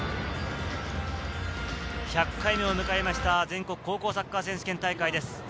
１００回目を迎えました全国高校サッカー選手権大会です。